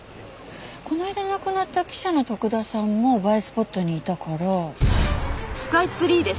この間亡くなった記者の徳田さんも映えスポットにいたから。